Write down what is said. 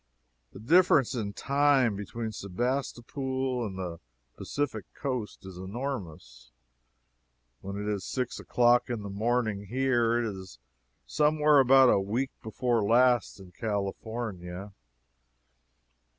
The difference in time between Sebastopol and the Pacific coast is enormous. When it is six o'clock in the morning here, it is somewhere about week before last in California.